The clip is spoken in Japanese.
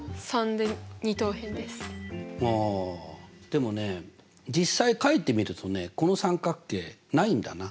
でもね実際書いてみるとねこの三角形ないんだな。